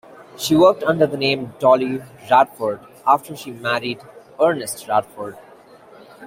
She worked under the name "Dollie Radford" after she married Ernest Radford.